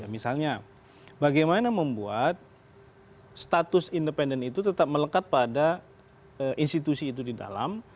misalnya bagaimana membuat status independen itu tetap melekat pada institusi itu di dalam